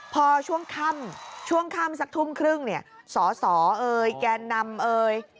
พอช่วงค่ำช่วงค่ำสักทุ่มครึ่งเนี่ยสอสอเอ่ยแกนนำเอ่ย